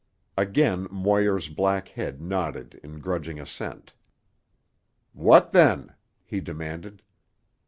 Again Moir's black head nodded in grudging assent. "What then?" he demanded.